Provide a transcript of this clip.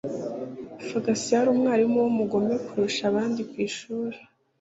Fagasi yarumwarimu wumugome kurusha abandi kwishuri